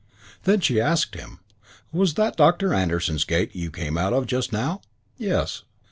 Then she asked him, "Was that Doctor Anderson's gate you came out of just now?" "Yes."